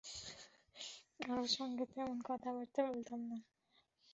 কারো সঙ্গে তেমন কথাবার্তা বলতাম না!